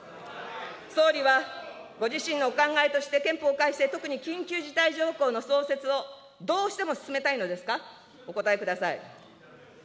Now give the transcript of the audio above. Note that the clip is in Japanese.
総理はご自身のお考えとして、憲法改正、特に緊急事態条項の創設をどうしても進めたいのですか、お答えください。